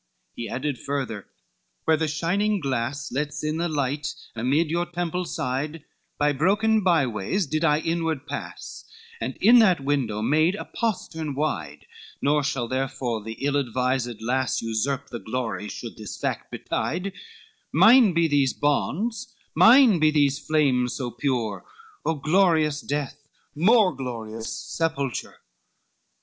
XXIX He added further: "Where the shining glass, Lets in the light amid your temple's side, By broken by ways did I inward pass, And in that window made a postern wide, Nor shall therefore this ill advised lass Usurp the glory should this fact betide, Mine be these bonds, mine be these flames so pure, O glorious death, more glorious sepulture!"